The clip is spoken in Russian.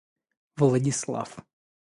Владислав